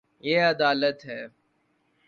یے ادالت ہے